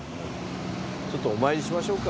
ちょっとお参りしましょうか。